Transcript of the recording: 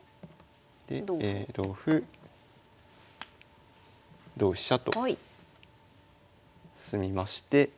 で同歩同飛車と進みまして。